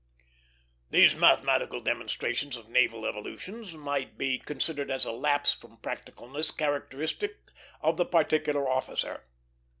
These mathematical demonstrations of naval evolutions might be considered a lapse from practicalness characteristic of the particular officer.